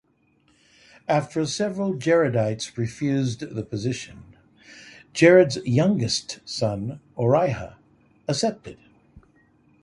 After several Jaredites refused the position, Jared's youngest son Orihah accepted.